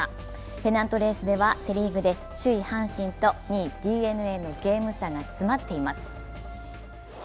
ペナントレースではセ・リーグで首位・阪神と２位・ＤｅＮＡのゲーム差が迫っています。